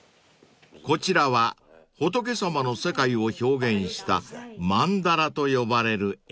［こちらは仏様の世界を表現した曼荼羅と呼ばれる絵］